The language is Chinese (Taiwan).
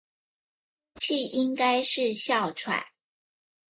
呼氣應該是哮喘